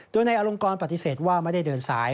โดยนายอลงกรปฏิเสธว่าไม่ได้เดินสาย